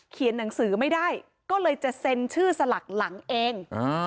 หนังสือไม่ได้ก็เลยจะเซ็นชื่อสลักหลังเอง